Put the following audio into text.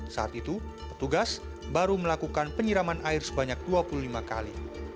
saat itu petugas baru melakukan penyiraman air sebanyak dua puluh lima kali